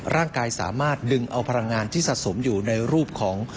ร่างกายสามารถดึงเอาพลังงานที่สะสมอยู่ในรูปของ